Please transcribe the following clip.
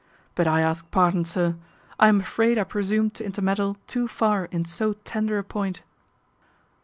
But I ask pardon, sir, I am afraid I presume to intermeddle too far in so tender a point."